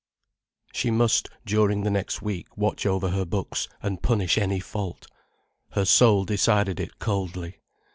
She must, during the next week, watch over her books, and punish any fault. Her soul decided it coldly.